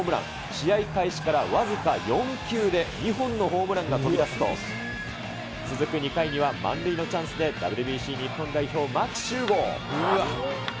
試合開始から僅か４球で、２本のホームランが飛び出すと、続く２回には満塁のチャンスでＷＢＣ日本代表、牧秀悟。